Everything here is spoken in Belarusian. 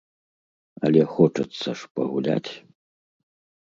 Але хочацца ж пагуляць!